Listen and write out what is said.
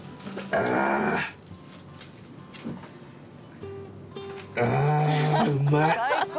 ああうまい！